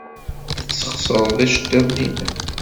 Ad tesxeṣreḍ iceḍḍiḍen-nnem.